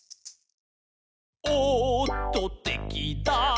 「おっとてきだ」